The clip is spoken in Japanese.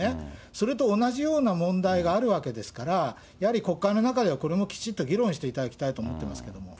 それと同じような問題があるわけですから、やはり国会の中でこれもきちっと議論していただきたいと思っていますけれども。